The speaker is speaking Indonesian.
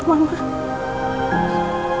kasih kesempatan untuk kenal mama